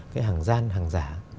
cái hàng gian hàng giả